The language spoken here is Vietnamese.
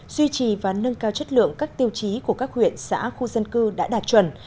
duy trì và nâng cao chất lượng các tiêu chí của các huyện xã khu dân cư đã đạt chuẩn